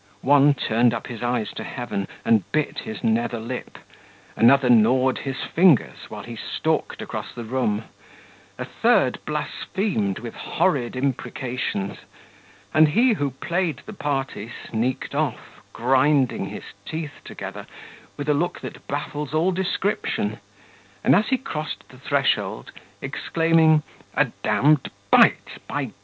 One turned up his eyes to heaven, and bit his nether lip; another gnawed his fingers, while he stalked across the room; a third blasphemed with horrid imprecations; and he who played the party sneaked off, grinding his teeth together, with a look that baffles all description, and as he crossed the threshold, exclaiming, "A d d bite, by G